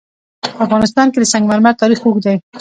په افغانستان کې د سنگ مرمر تاریخ اوږد دی.